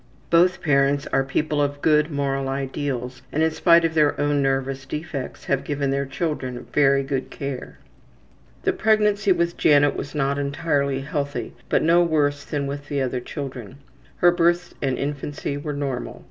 Both parents are people of good moral ideals, and in spite of their own nervous defects have given their children very good care. The pregnancy with Janet was not entirely healthy, but no worse than with the other children. Her birth and infancy were normal.